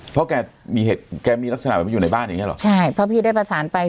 เพราะแกมีเหตุแกมีลักษณะแบบนี้อยู่ในบ้านอย่างเงี้หรอใช่เพราะพี่ได้ประสานไป